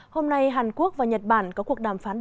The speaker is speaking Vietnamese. hôm nay hàn quốc và nhật bản có cuộc đàm phát triển